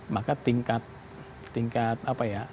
maka tingkat kerusakan itu juga berubah